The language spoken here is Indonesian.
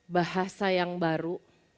bahasa yang baru